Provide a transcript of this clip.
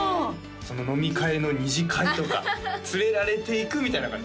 飲み会の２次会とか連れられて行くみたいな感じ